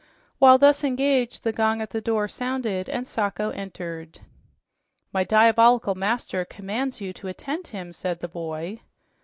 While thus engaged, the gong at the door sounded and Sacho entered. "My diabolical master commands you to attend him," said the boy.